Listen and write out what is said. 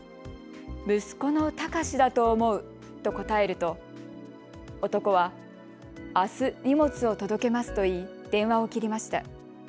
息子のタカシだと思うと答えると男はあす荷物を届けますと言い電話を切りました。